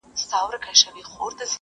دولتونه دندي ترسره کوي.